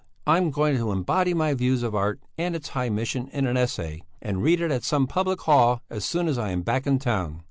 I am going to embody my views on art and its high mission in an essay, and read it at some public hall as soon as I am back in town.